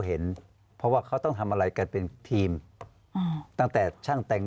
เห็นเพราะว่าเขาต้องทำอะไรกันเป็นทีมตั้งแต่ช่างแต่ง